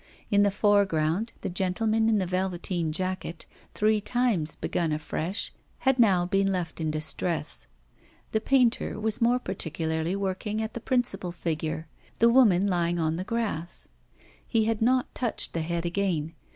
In the foreground, the gentleman in the velveteen jacket, three times begun afresh, had now been left in distress. The painter was more particularly working at the principal figure, the woman lying on the grass. He had not touched the head again.